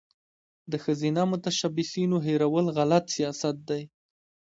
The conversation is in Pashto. د ښځینه متشبثینو هیرول غلط سیاست دی.